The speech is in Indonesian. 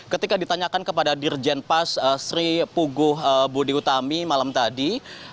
ketika ditanyakan kepada dirjen pas sri puguh budi utami malam tadi